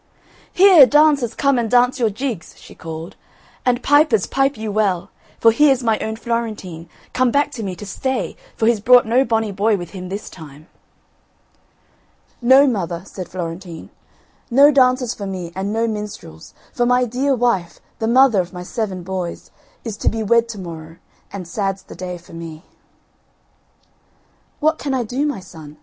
"Here, dancers come and dance your jigs," she called, "and pipers, pipe you well, for here's my own Florentine, come back to me to stay for he's brought no bonny boy with him this time." "No, mother," said Florentine, "no dancers for me and no minstrels, for my dear wife, the mother of my seven, boys, is to be wed to morrow, and sad's the day for me." "What can I do, my son?"